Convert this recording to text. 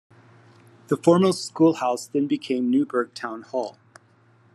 The former schoolhouse then became Newburgh Town Hall.